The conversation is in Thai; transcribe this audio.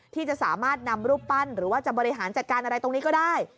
ที่จะสามารถนำรูปปั้นหรือว่าจะบริหารจัดการอะไรตรงนี้ก็ได้